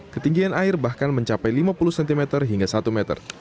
ketinggian air bahkan mencapai lima puluh cm hingga satu meter